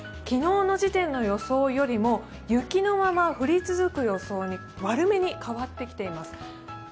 昨日の時点の予想よりも雪のまま降り続く予想に、悪めに変わってきています。